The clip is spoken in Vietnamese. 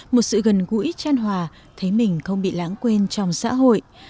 một sự gần gũi tran hòa thấy mình không bị lãng quên trong xã hội